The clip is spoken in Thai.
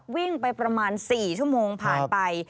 วิ่งไปประมาณ๔ชั่วโมงผ่านไป